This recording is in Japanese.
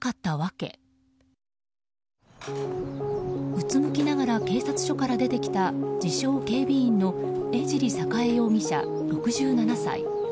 うつむきながら警察署から出てきた自称、警備員の江尻栄容疑者、６７歳。